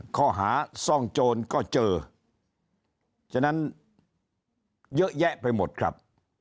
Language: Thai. ข้อหาซ่องโจรก็เจอฉะนั้นเยอะแยะไปหมดครับ